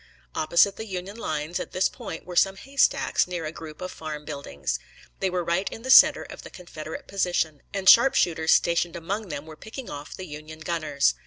Opposite the Union lines at this point were some haystacks, near a group of farm buildings. They were right in the center of the Confederate position, and sharpshooters stationed among them were picking off the Union gunners.